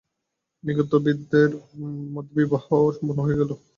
নৃত্যগীতবাদ্যের মধ্যে বিবাহ সম্পন্ন হইয়া গেল।